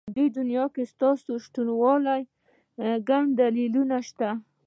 په دې دنيا کې ستا د شتهوالي گڼ دلیلونه شته.